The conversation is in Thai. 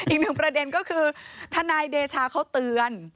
อีกหนึ่งประเด็นก็คือทนายเดชาเขาเตือน